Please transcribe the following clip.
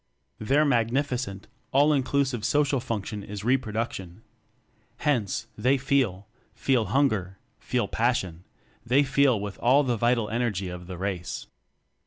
Their magnifi cent all inclusive social function is re production. Hence, they feel feel hunger, feel passion they feel with all the vital energy of the race.